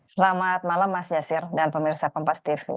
selamat malam mas yasya dan pemirsa pempastv